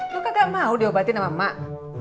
lo kagak mau diobatin sama mak